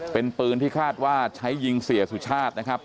เป็นปืนที่คาดว่าใช้ยิงเสียสุชาตินะครับ